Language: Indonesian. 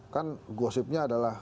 kan gosipnya adalah